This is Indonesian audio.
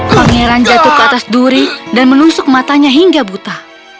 pangeran jatuh ke atas duri dan menusuk matanya hingga buta